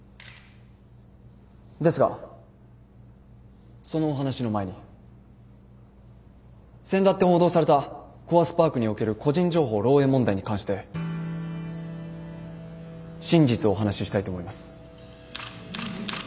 ですがそのお話の前にせんだって報道されたコアスパークにおける個人情報漏えい問題に関して真実をお話ししたいと思います。